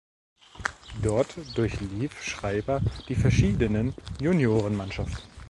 Dort durchlief Schreiber die verschiedenen Juniorenmannschaften.